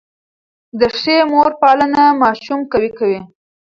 د ښې مور پالنه ماشوم قوي کوي.